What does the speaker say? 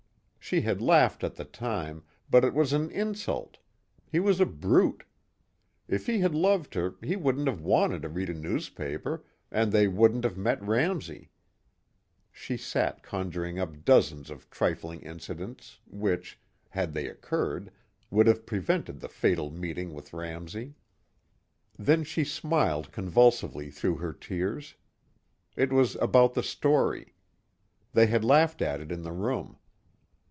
She had laughed at the time but it was an insult. He was a brute. If he had loved her he wouldn't have wanted to read a newspaper and they wouldn't have met Ramsey. She sat conjuring up dozens of trifling incidents which, had they occurred, would have prevented the fatal meeting with Ramsey. Then she smiled convulsively through her tears. It was about the story. They had laughed at it in the room.